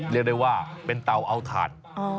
เรียกได้ว่าเป็นเตาเอาถ่าน